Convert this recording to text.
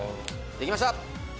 「できました！」